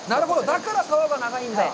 だから、さおが長いんだ。